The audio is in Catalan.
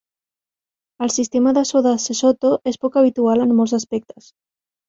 El sistema de so de Sesotho és poc habitual en molts aspectes.